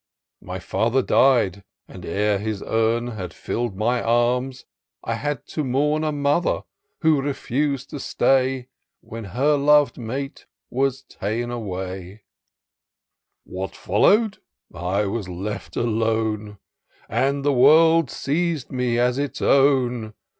My father died — and ere his urn Had fiU'd my arms, I had to mourn A mother, who refus'd to stay, When her lov'd mate was ta'en away, " What follow'd ?— I was left alone. And the world seiz'd me as its own.